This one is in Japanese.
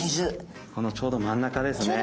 このちょうど真ん中ですね。